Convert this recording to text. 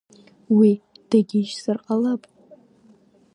Уи дагьишьзар ҟалап!